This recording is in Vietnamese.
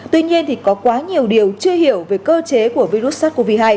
tuy nhiên thì có quá nhiều điều chưa hiểu về cơ chế của virus sars cov hai